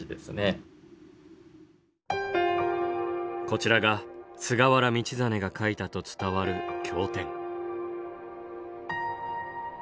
こちらが菅原道真が書いたと伝わる「経典」。